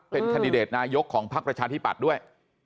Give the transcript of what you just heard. เป็นคันดิเดตนายกของพักประชาธิปัตย์ด้วย